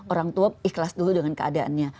orang tua ikhlas dulu dengan keadaannya